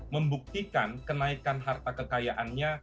membuktikan kenaikan harta kekayaannya